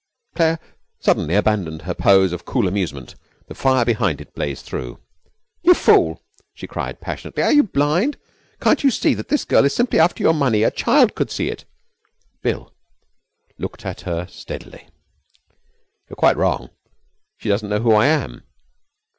Claire suddenly abandoned her pose of cool amusement. The fire behind it blazed through. 'You fool!' she cried passionately. 'Are you blind? Can't you see that this girl is simply after your money? A child could see it.' Bill looked at her steadily. 'You're quite wrong. She doesn't know who I am.'